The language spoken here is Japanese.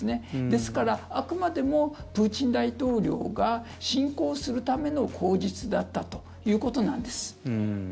ですから、あくまでもプーチン大統領が侵攻するための口実だったということなんです。